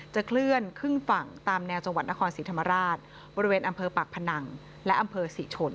เคลื่อนขึ้นฝั่งตามแนวจังหวัดนครศรีธรรมราชบริเวณอำเภอปากพนังและอำเภอศรีชน